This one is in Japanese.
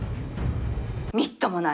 みっともない。